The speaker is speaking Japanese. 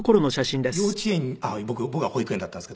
幼稚園僕は保育園だったんですけど。